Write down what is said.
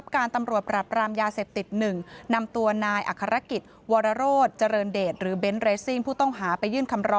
คุณแพท